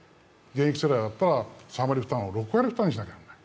現役世代だったら、３割負担を６割負担にしなきゃならない。